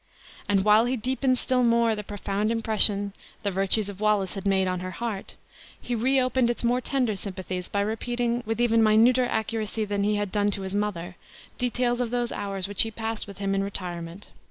And while he deepened still more the profound impression the virtues of Wallace had made on her heart, he reopened its more tender sympathies by repeating, with even minuter accuracy than he had done to his mother, details of those hours which he passed with him in retirement.